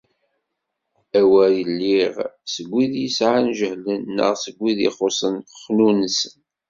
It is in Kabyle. A wer iliɣ seg wid yesɛan jehlen neɣ seg wid ixuṣṣen xnunesen.